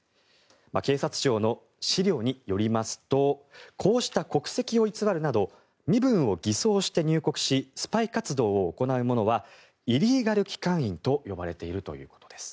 警察庁の資料によりますとこうした国籍を偽るなど身分を偽装して入国しスパイ活動を行う者はイリーガル機関員と呼ばれているということです。